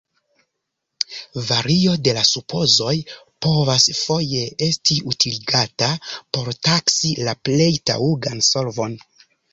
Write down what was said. Vario de la supozoj povas foje esti utiligata por taksi la plej taŭgan solvon.